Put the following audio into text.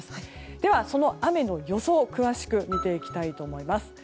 では雨の予想を詳しく見ていきたいと思います。